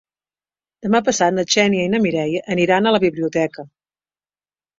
Demà passat na Xènia i na Mireia aniran a la biblioteca.